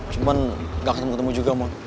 cuman gak ketemu ketemu juga mah